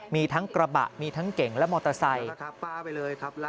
มีทั้งกระบะมีทั้งเก่งและมอเตอร์ไซค์